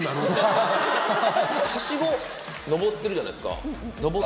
ハシゴ登ってるじゃないですか。